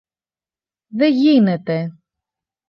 Δε γίνεται!